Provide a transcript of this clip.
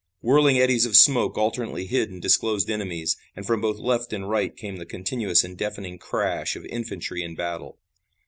Whirling eddies of smoke alternately hid and disclosed enemies, and from both left and right came the continuous and deafening crash of infantry in battle.